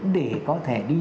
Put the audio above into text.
để có thể đi